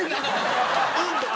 「うん」とか。